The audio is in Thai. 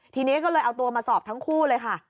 ทีนี้ก็เลยเอาตัวมาสอบทั้งคู่เลยค่ะ